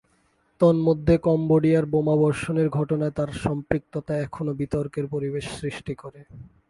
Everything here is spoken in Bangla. তন্মধ্যে কম্বোডিয়ায় বোমাবর্ষণের ঘটনায় তার সম্পৃক্ততা এখনো বিতর্কের পরিবেশ সৃষ্টি করে।